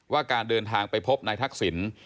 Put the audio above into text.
ว่าการเดินทางไปพบนายทักศิลป์